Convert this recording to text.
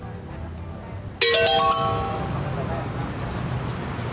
tidak ada yang lebih enak dari tempat ini